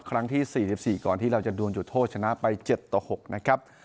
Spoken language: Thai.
ครั้งที่๔๔ก่อนที่เราจะดวนจุดโทษชนะไป๗ต่อ๖นะครับ